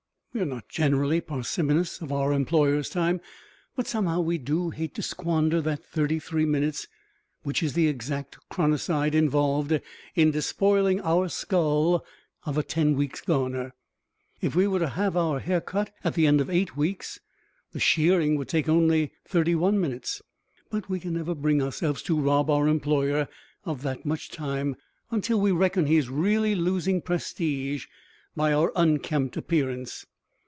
We are not generally parsimonious of our employer's time, but somehow we do hate to squander that thirty three minutes, which is the exact chronicide involved in despoiling our skull of a ten weeks' garner. If we were to have our hair cut at the end of eight weeks the shearing would take only thirty one minutes; but we can never bring ourselves to rob our employer of that much time until we reckon he is really losing prestige by our unkempt appearance.